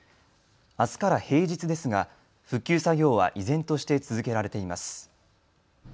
あすから平日ですが復旧作業は依然として続けられています。